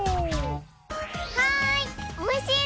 はい！